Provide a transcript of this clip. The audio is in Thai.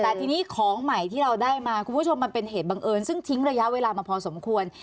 แต่ทีนี้ของใหม่ที่เราได้มาคุณผู้ชมมันเป็นเหตุบังเอิญซึ่งทิ้งระยะเวลามาพอสมควร